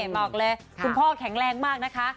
บอกเลยคุณพ่อแข็งแรงมากนะคะ